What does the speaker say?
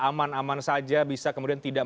aman aman saja bisa kemudian tidak